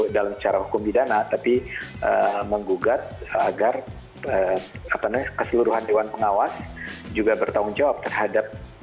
dalam cara hukum bidana tapi mengugat agar keseluruhan dewan pengawas juga bertanggung jawab terhadap